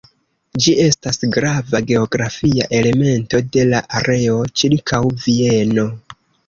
Ĝi estas grava geografia elemento de la areo ĉirkaŭ Vieno.